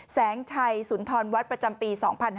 แสงไทยสุนทรวรรดิประจำปี๒๕๖๑